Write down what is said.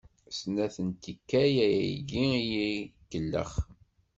Snat n tikkal ayagi i yi-ikellex.